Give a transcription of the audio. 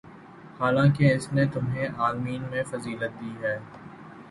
حالانکہ اس نے تمہیں عالمین پر فضیلت دی ہے